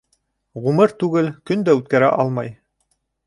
Ғүмер түгел, көн дә үткәрә алмай.